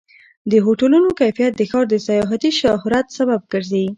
د هوټلونو کیفیت د ښار د سیاحتي شهرت سبب ګرځي.